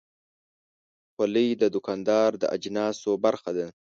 خولۍ د دوکاندار د اجناسو برخه ده.